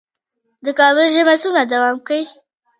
د کابل ژمی څومره دوام کوي؟